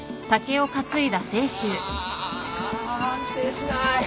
ああ安定しない！